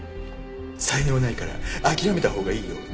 才能ないから諦めたほうがいいよって。